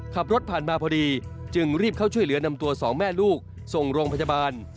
ขับรถผ่านมาพอดีจึงรีบเข้าช่วยเหลือนำตัวสองแม่ลูกส่งโรงพยาบาล